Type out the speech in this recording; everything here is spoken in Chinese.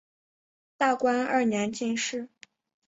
大观二年进士。